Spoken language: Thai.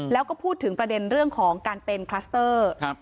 แล้วก็พูดถึงประเด็นเรื่องของการเป็นคลัสเตอร์